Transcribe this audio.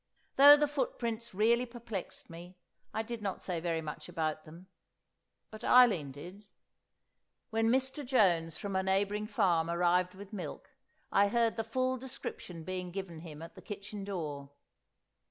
Though the footprints really perplexed me, I did not say very much about them; but Eileen did. When Mr. Jones from a neighbouring farm arrived with milk, I heard the full description being given him at the kitchen door.